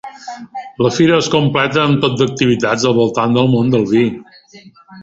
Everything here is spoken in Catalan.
La fira es complementa amb tot d’activitats al voltant del món del vi.